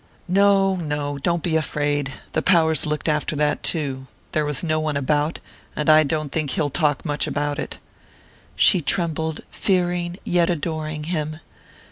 "No no. Don't be afraid. The powers looked after that too. There was no one about and I don't think he'll talk much about it." She trembled, fearing yet adoring him.